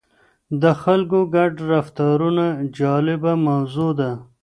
د خلکو ګډ رفتارونه جالبه موضوع ده.